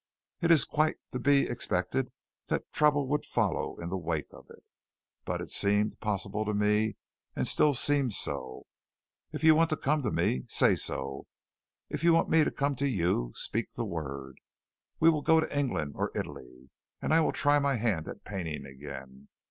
It is quite to be expected that trouble would follow in the wake of it, but it seemed possible to me, and still seems so. If you want to come to me, say so. If you want me to come to you, speak the word. We will go to England or Italy, and I will try my hand at painting again.